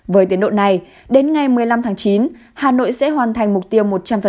với tiến độ này đến ngày một mươi năm tháng chín hà nội sẽ hoàn thành mục tiêu